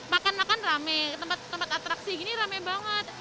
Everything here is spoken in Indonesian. makan makan rame tempat atraksi gini rame banget